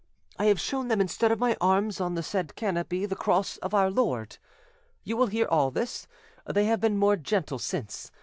I have shown them instead of my arms on the said canopy the cross of Our Lord. You will hear all this; they have been more gentle since.